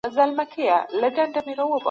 رسول الله د بې وزلو خلګو ډېر خیال ساته.